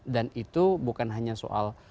itu bukan hanya soal